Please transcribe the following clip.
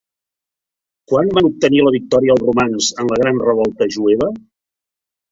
Quan van obtenir la victòria els romans en la Gran Revolta jueva?